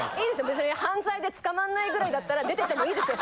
別に犯罪で捕まんないぐらいだったら出ててもいいですよ。